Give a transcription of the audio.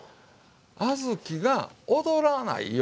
小豆が踊らないようにって。